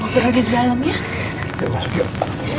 ngobrol di dalam ya